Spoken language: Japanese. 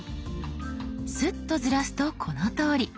スッとずらすとこのとおり。